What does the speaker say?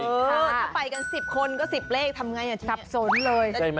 ถ้าไปกัน๑๐คนก็๑๐เลขทำอย่างไรนะ